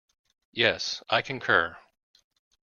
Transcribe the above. Yes, I concur.